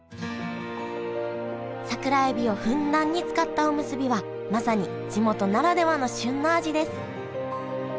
桜えびをふんだんに使ったおむすびはまさに地元ならではの旬の味です